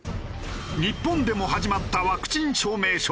日本でも始まったワクチン証明書。